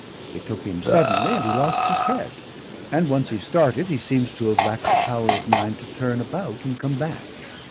It took him suddenly and he lost his head. And once he started, he seems to have lacked the power of mind to turn about and come back.